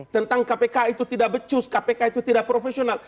tentang kpk itu tidak becus kpk itu tidak profesional